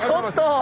ちょっと！